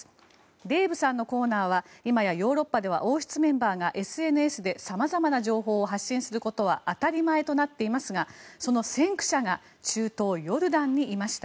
デーブさんのコーナーは今やヨーロッパは王室メンバーがＳＮＳで様々な情報を発信することは当たり前となっていますがその先駆者が中東ヨルダンにいました。